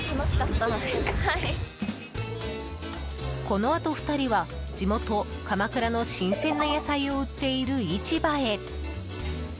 このあと２人は地元・鎌倉の新鮮な野菜を売っている市場へ。